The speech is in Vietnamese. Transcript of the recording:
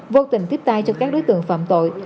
vô tình tiếp tay cho các đối tượng phạm tội